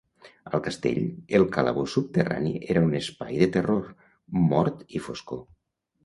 Al castell, el calabós subterrani era un espai de terror, mort i foscor.